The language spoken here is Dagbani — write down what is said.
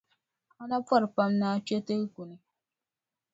A na pɔri pam ni a kpe teeku ni.